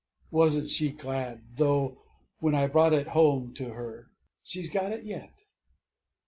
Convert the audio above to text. Wasn't she glad, though, when I brought it home to her!... She's got it yet...."